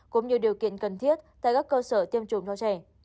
cũng như điều kiện cần thiết tại các cơ sở tiêm chủng cho trẻ